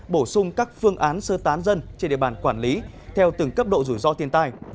bổ sung các phương án sơ tán dân trên địa bàn quản lý theo từng cấp độ rủi ro thiên tai